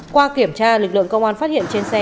qua kiểm tra lực lượng công an phát hiện trên xe